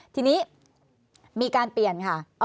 ทีนี้มีการเปลี่ยนค่ะ